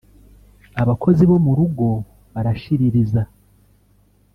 abakozi bo mu rugo barashiririza